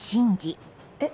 えっ。